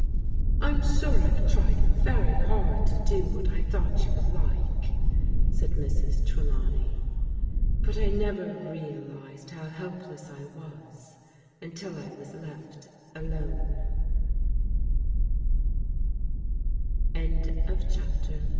" I'm sure I've tried very hard to do what I thought you would like," said Mrs. Trelawney. "But I "OLeNet realized how he]p]e5s I was until I was left alone* ^OM CHAPTER II " THE OLD OR